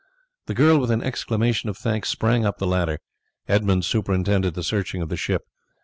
The girl with an exclamation of thanks sprang up the ladder. Edmund superintended the searching of the ship.